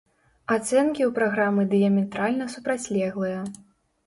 Ацэнкі ў праграмы дыяметральна супрацьлеглыя.